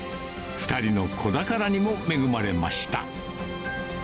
２人の子宝にも恵まれました。